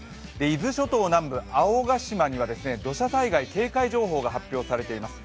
伊豆諸島南部・青ヶ島には土砂災害警戒情報が発表されています。